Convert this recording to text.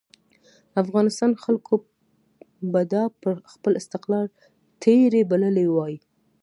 افغانستان خلکو به دا پر خپل استقلال تېری بللی وای.